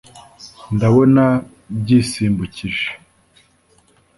ndabona byisimbukije